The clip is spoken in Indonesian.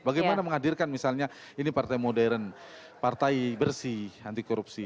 bagaimana menghadirkan misalnya ini partai modern partai bersih anti korupsi